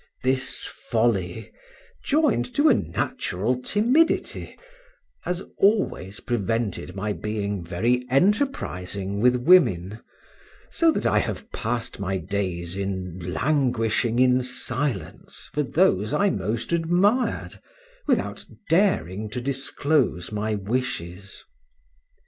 This folly, joined to a natural timidity, has always prevented my being very enterprising with women, so that I have passed my days in languishing in silence for those I most admired, without daring to disclose my wishes.